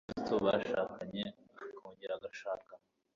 nu ndi mukristo bashakanye akongera agashaka